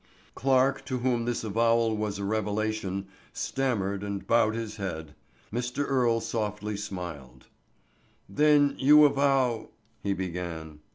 Clarke, to whom this avowal was a revelation, stammered and bowed his head. Mr. Earle softly smiled. "Then you avow—" he began.